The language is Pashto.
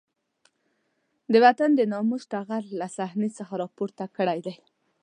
د وطن د ناموس ټغر له صحنې څخه راپورته کړی دی.